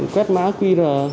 quét mã quy rờ